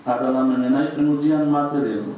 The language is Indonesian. adalah mengenai penujian materi